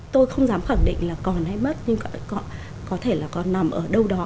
tôi không dám khẳng định là còn hay mất nhưng có thể là con nằm ở đâu đó